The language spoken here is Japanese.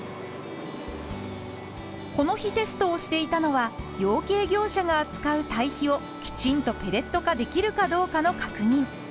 この日テストをしていたのは養鶏業者が扱うたい肥をきちんとペレット化できるかどうかの確認。